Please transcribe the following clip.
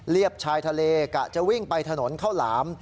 เรียบชายทะเลกะจะวิ่งไปถนนเข้าหลาม